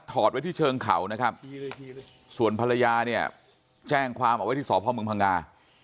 ไว้ที่เชิงเขานะครับส่วนภรรยาเนี่ยแจ้งความเอาไว้ที่สพมพังงา